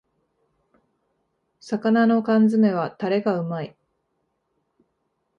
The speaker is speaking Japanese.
魚の缶詰めはタレがうまい